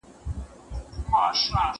د څښاک پاکي اوبه د ژوند لومړنی حق دی.